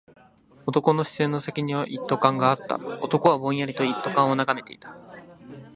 男の視線の先には一斗缶があった。男はぼんやりと一斗缶を眺めていた。